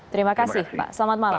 terima kasih pak selamat malam